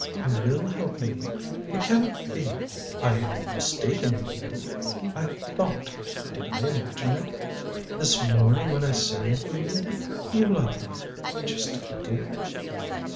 "You will help me. It can not be I am mistaken in you. I thought did I imagine it this morning when I sang for you you liked me just a little?"